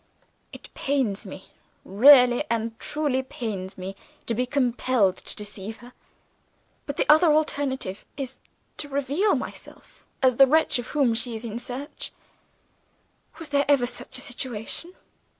It pains me, really and truly pains me, to be compelled to deceive her but the other alternative is to reveal myself as the wretch of whom she is in search. Was there ever such a situation?